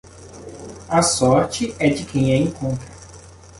A sorte é de quem a encontra.